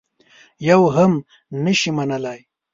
یوه هم نه شي منلای.